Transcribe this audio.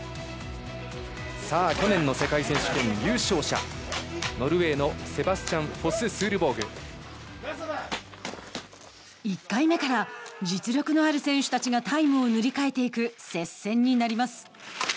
去年の世界選手権優勝者ノルウェーのセバスチャン・１回目から実力のある選手たちがタイムを塗り替えていく接戦になります。